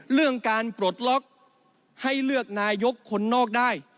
เรื่องการปลดล็อกให้เลือกนายกคนนอกได้